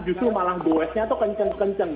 justru malah boys nya itu kenceng kenceng